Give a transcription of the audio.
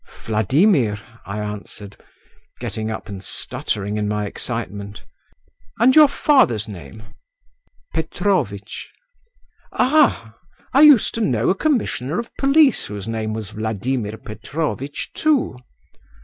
"Vladimir," I answered, getting up, and stuttering in my excitement. "And your father's name?" "Petrovitch." "Ah! I used to know a commissioner of police whose name was Vladimir Petrovitch too.